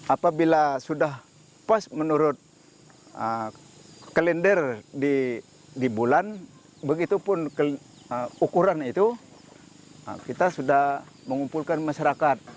apabila sudah pas menurut kalender di bulan begitu pun ukuran itu kita sudah mengumpulkan masyarakat